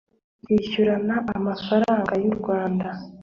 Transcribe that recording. kwishyurana amafaranga y u rwanda